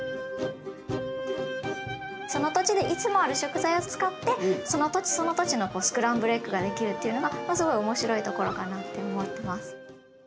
その土地でいつもある食材を使ってその土地その土地のスクランブルエッグができるっていうのがまあすごい面白いところかなって思ってます。